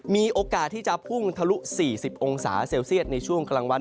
มีโอกาสที่จะพุ่งทะลุ๔๐องศาเซลเซียตในช่วงกลางวัน